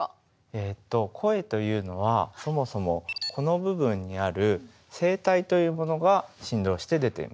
えっと声というのはそもそもこの部分にある「声帯」というものが振動して出ています。